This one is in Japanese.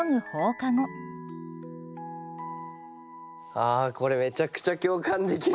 あこれめちゃくちゃ共感できる。